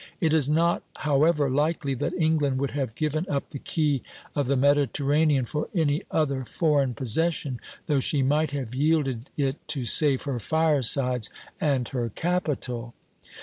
It is not, however, likely that England would have given up the key of the Mediterranean for any other foreign possession, though she might have yielded it to save her firesides and her capital.